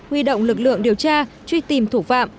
huy động lực lượng điều tra truy tìm thủ phạm